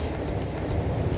iya mbak andien